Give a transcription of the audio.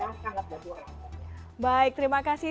yang sangat berkurang baik terima kasih